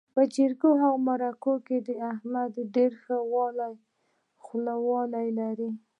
په جرګو او مرکو کې احمد ډېره ښه خوله لري.